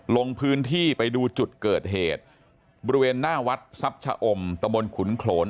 ลงพื้นที่ไปดูจุดเกิดเหตุบริเวณหน้าวัดทรัพย์ชะอมตะบนขุนโขน